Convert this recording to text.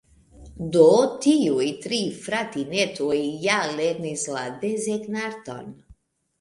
"Do, tiuj tri fratinetoj ja lernis la desegnarton".